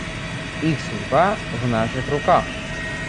Их судьба в наших руках.